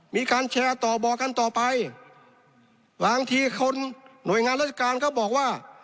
มีการแชร์ต่อบอกกันต่อไปบางทีคนหน่วยงานราชการเขาบอกว่า